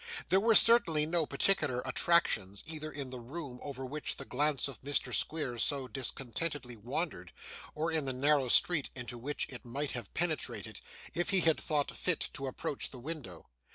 There were, certainly, no particular attractions, either in the room over which the glance of Mr. Squeers so discontentedly wandered, or in the narrow street into which it might have penetrated, if he had thought fit to approach the window.